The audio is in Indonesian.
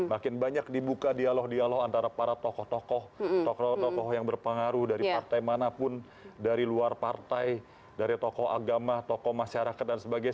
makin banyak dibuka dialog dialog antara para tokoh tokoh yang berpengaruh dari partai manapun dari luar partai dari tokoh agama tokoh masyarakat dan sebagainya